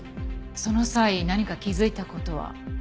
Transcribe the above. その際何か気づいた事は？